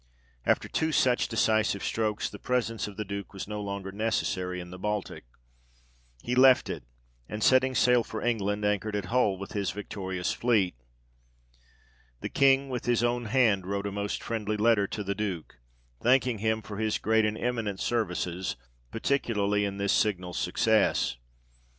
After two such decisive strokes, the presence of the duke was no longer necessary in the Baltic ; he left it, and setting sail for England, anchored at Hull with his victorious fleet. The King with his own hand wrote a most friendly letter to the Duke, thanking him for his great and eminent services, particularly in this signal success. 72 THE REIGN OF GEORGE VI.